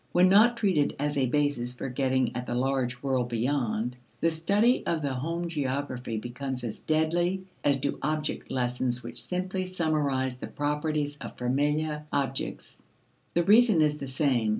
When not treated as a basis for getting at the large world beyond, the study of the home geography becomes as deadly as do object lessons which simply summarize the properties of familiar objects. The reason is the same.